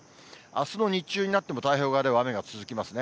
あすの日中になっても、太平洋側では雨が続きますね。